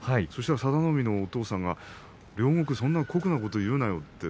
そしたら佐田の海のお父さんが両国にそんな酷なことを言うなよ